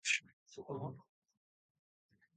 甘粛省の省都は蘭州である